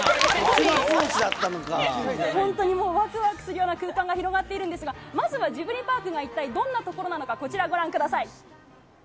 本当にもう、わくわくするような空間が広がっているんですが、まずはジブリパークが一体どんなところなのか、こちらご覧ください。